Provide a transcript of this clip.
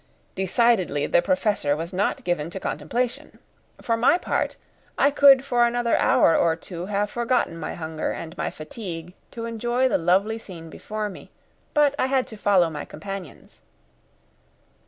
Decidedly the Professor was not given to contemplation. For my part, I could for another hour or two have forgotten my hunger and my fatigue to enjoy the lovely scene before me; but I had to follow my companions.